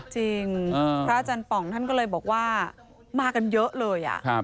พระอาจารย์ป่องท่านก็เลยบอกว่ามากันเยอะเลย